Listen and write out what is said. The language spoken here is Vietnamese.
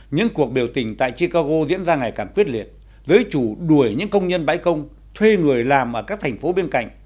những cuộc biểu tình tại chicago diễn ra ngày càng quyết liệt giới chủ đuổi những công nhân bãi công thuê người làm ở các thành phố bên cạnh